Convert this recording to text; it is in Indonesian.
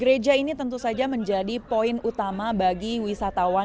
gereja ini tentu saja menjadi poin utama bagi wisatawan